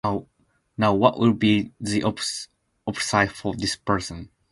Now what would be the opposite for this person